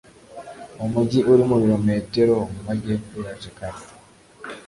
uwo mujyi uri mu birometero mu majyepfo ya jakarta.